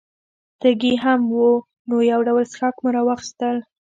تږي هم وو، نو یو ډول څښاک مو را واخیستل.